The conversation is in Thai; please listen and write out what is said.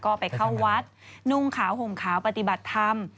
ก็ไปเข้าวัดนุ่งขาวห่มขาวปฏิบัติธรรม